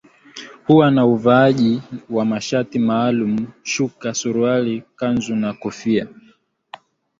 Huwa na uvaaji wa mashati maalum shuka suruali kanzu na kofia